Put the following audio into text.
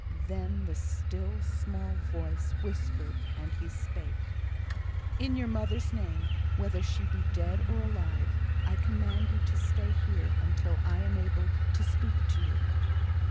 Then the still small voice whispered, and he spake: "In your mother's name, whether she be dead or alive, I command you to stay here until I am able to speak to you."